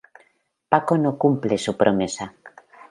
Paco no cumple su promesa.